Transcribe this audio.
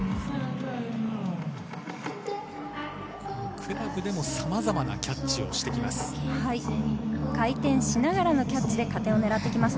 クラブでもさまざまなキャッチをしてきます。